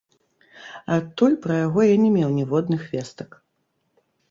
Адтуль пра яго я не меў ніводных вестак.